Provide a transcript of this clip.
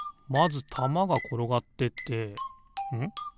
まずたまがころがってってん？